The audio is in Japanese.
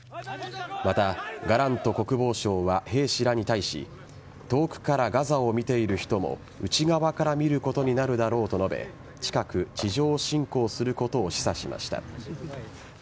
また、ガラント国防相は兵士らに対し遠くからガザを見ている人も内側から見ることになるだろうと述べ近く地上侵攻することを示唆しました。